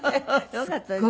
よかったですね。